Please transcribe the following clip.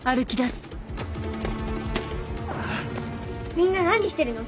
みんな何してるの？